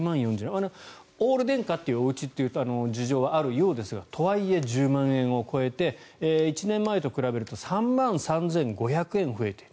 オール電化のおうちという事情はあるようですがとはいえ１０万円を超えて１年前と比べると３万３５００円増えている。